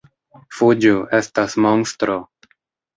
“Fuĝu, estas monstro!”